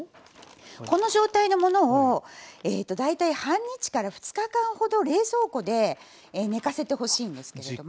この状態のものを大体半日から２日間ほど冷蔵庫で寝かせてほしいんですけれども。